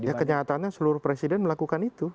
ya kenyataannya seluruh presiden melakukan itu